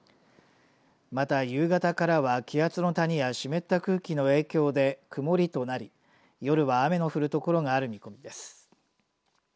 また、夕方からは気圧の谷や湿った空気の影響で曇りとなり夜は雨の降るところがある見込みです。